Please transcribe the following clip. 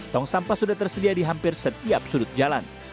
tong sampah sudah tersedia di hampir setiap sudut jalan